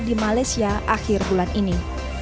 di malaysia akhir bulan ini